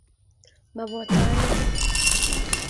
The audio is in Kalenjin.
maboto anee